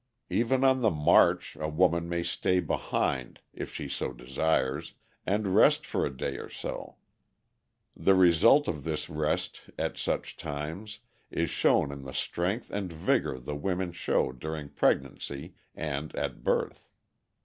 Even on the march a woman may stay behind (if she so desires) and rest for a day or so. The result of this rest at such times is shown in the strength and vigor the women show during pregnancy and at birth.